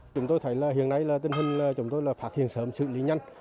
chúng tôi thấy hiện nay tình hình là chúng tôi phát hiện sớm sự lưu nhanh